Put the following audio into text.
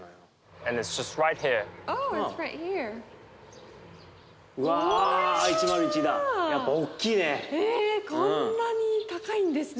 えっこんなに高いんですね。